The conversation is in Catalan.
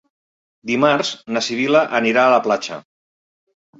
Dimarts na Sibil·la anirà a la platja.